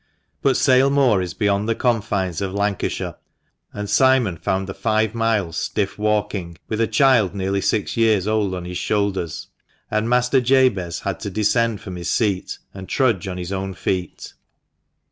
But Sale Moor is beyond the confines of Lancashire, and Simon found the five miles stiff walking, with a child nearly six years old on his shoulders, and Master Jabez had to descend from his seat, and trudge on his own feet.